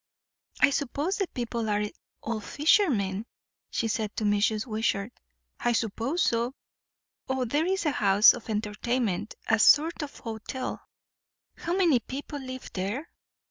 "I suppose the people are all fishermen?" she said to Mrs. Wishart. "I suppose so. O, there is a house of entertainment a sort of hotel." "How many people live there?"